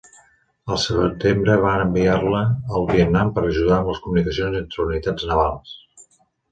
Al setembre van enviar-la al Vietnam per ajudar amb les comunicacions entre unitats navals.